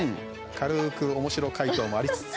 軽く、おもしろ解答もありつつ。